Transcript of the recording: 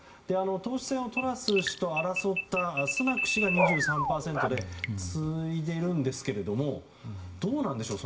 党首選をトラス氏と争ったスナク氏が２３％で次いでいるんですがどうなんでしょう